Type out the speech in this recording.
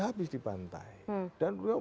habis di pantai dan